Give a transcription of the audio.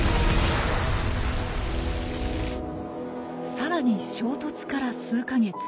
さらに衝突から数か月。